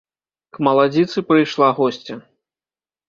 К маладзіцы прыйшла госця.